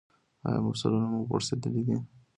ایا مفصلونه مو پړسیدلي دي؟